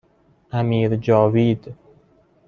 امیرجاوید